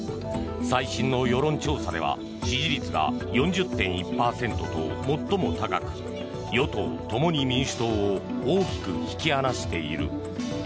最新の世論調査では支持率が４０．１％と最も高く、与党・共に民主党を大きく引き離している。